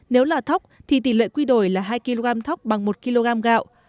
nếu là thuốc thì tỷ lệ quy đổi là hai kg thuốc bằng một kg gạo